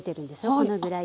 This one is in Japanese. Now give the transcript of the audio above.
このぐらい。